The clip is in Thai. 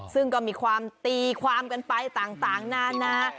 ซึ่งก็มีความตีความกันไปต่างนานา